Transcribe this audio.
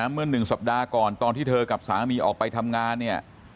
เมื่อ๑สัปดาห์ก่อนตอนที่เธอกับสามีออกไปทำงานเนี่ย